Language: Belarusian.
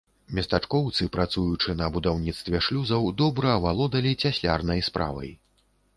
Местачкоўцы, працуючы на будаўніцтве шлюзаў, добра авалодалі цяслярнай справай.